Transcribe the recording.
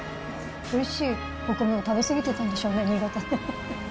おいしいお米を食べ過ぎてたんでしょうね、新潟で。